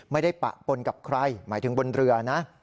ปะปนกับใครหมายถึงบนเรือนะ